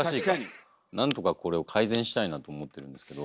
何とかこれを改善したいなと思ってるんですけど。